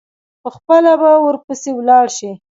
پخپله به ورپسي ولاړ شي.